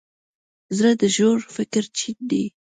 زړه د ژور فکر چین دی.